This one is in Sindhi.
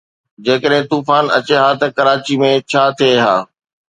جيڪڏهن طوفان اچي ها ته ڪراچي ۾ ڇا ٿئي ها؟